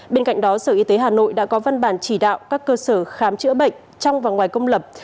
bên cạnh đó sở y tế hà nội đã có văn bản chỉ đạo các cơ sở khám chữa bệnh trong và ngoài công lập